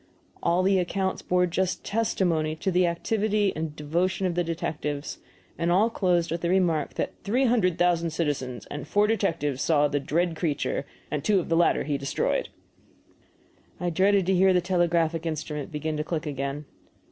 All the accounts bore just testimony to the activity and devotion of the detectives, and all closed with the remark that "three hundred thousand citizens and four detectives saw the dread creature, and two of the latter he destroyed." I dreaded to hear the telegraphic instrument begin to click again.